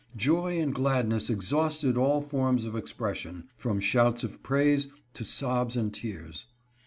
Joy and gladness exhausted all forms of expression, from shouts of praise to sobs and tears.